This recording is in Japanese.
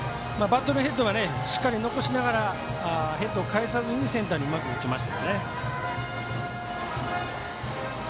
バットのヘッドをしっかり残しながらヘッドを返さずにうまくセンターに打ちました。